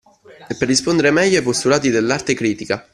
Per rispondere meglio ai postulati dell'arte critica